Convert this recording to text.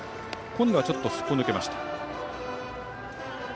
今度はちょっとすっぽ抜けました。